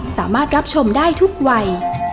สามารถรับชมได้ทุกวัย